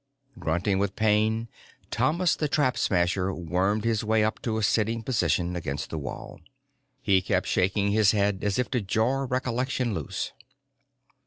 Grunting with pain, Thomas the Trap Smasher wormed his way up to a sitting position against the wall. He kept shaking his head as if to jar recollection loose.